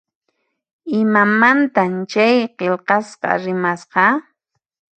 Imamantan chay qillqasqa rimasqa?